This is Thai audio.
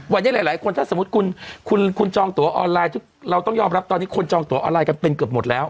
วันนี้หลายคนถ้าสมมุติคุณจองตัวออนไลน์เราต้องยอมรับตอนนี้คนจองตัวออนไลน์กันเป็นเกือบหมดแล้ว